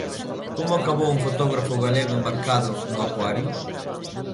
Como acabou un fotógrafo galego embarcado no Aquarius?